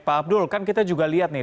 pak abdul kan kita juga lihat nih